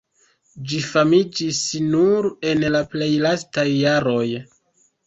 Ĝi famiĝis nur en la plej lastaj jaroj.